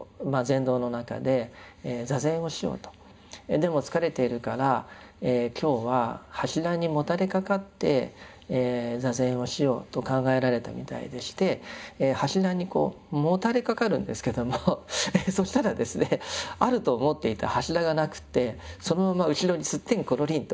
でも疲れているから今日は柱にもたれかかって坐禅をしようと考えられたみたいでして柱にこうもたれかかるんですけどもそしたらですねあると思っていた柱がなくてそのまま後ろにすってんころりんと